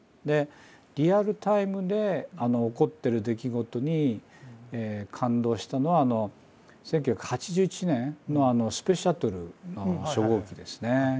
でリアルタイムで起こってる出来事に感動したのは１９８１年のスペースシャトルの初号機ですね。